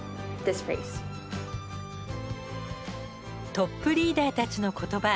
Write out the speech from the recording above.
トップリーダーたちの言葉。